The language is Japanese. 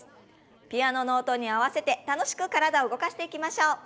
ピアノの音に合わせて楽しく体を動かしていきましょう。